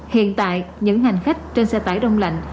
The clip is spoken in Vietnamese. hiện tại những hành khách trên xe tải đông lạnh